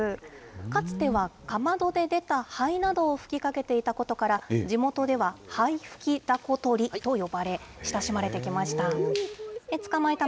かつてはかまどで出た灰などを吹きかけていたことから、地元では、灰吹きだこ捕りと呼ばれ、親しまれてきました。